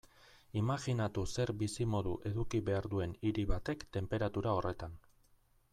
Imajinatu zer bizimodu eduki behar duen hiri batek tenperatura horretan.